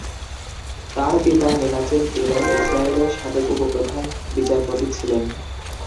তার পিতা Menachem Elon ইসরায়েলের সাবেক উপপ্রধান বিচারপতি ছিলেন।